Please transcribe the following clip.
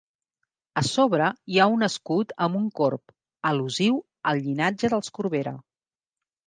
A sobre hi ha un escut amb un corb, al·lusiu al llinatge dels Corbera.